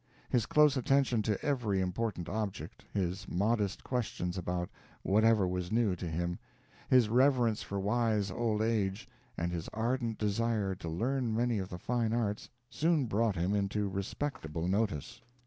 His close attention to every important object his modest questions about whatever was new to him his reverence for wise old age, and his ardent desire to learn many of the fine arts, soon brought him into respectable notice.